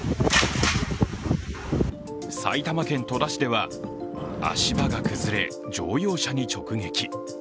埼玉県戸田市では足場が崩れ乗用車に直撃。